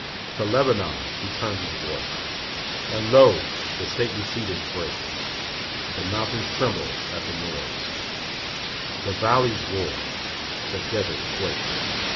4 To Lebanon he turns his voice, And, lo, the stately cedars break; The mountains tremble at the noise, The vallies roar, the deserts quake.